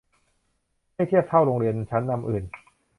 ให้เทียบเท่าโรงเรียนชั้นนำอื่น